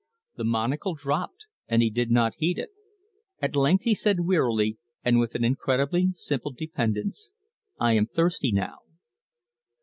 The monocle dropped, and he did not heed it. At length he said wearily, and with an incredibly simple dependence: "I am thirsty now."